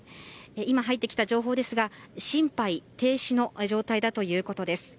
今、入ってきた情報ですが心肺停止の状態だということです。